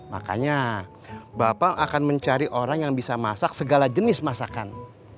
makanya bapak akan mencari orang yang bisa masak segala jenis masakan